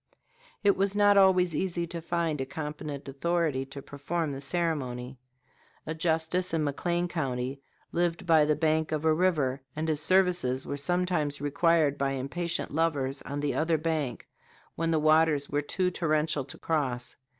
It was not always easy to find a competent authority to perform the ceremony. A justice in McLean County lived by the bank of a river, and his services were sometimes required by impatient lovers on the other bank when the waters were too torrential to cross.